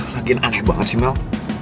makin aneh banget sih mel